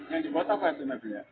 yang dibuat apa itu nafia